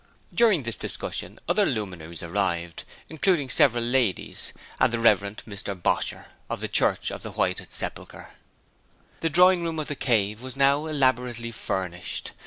During this discussion other luminaries arrived, including several ladies and the Rev. Mr Bosher, of the Church of the Whited Sepulchre. The drawing room of 'The Cave' was now elaborately furnished.